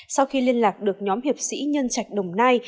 sau khi liên lạc được nhóm hiệp sĩ nhân trạch đồng nai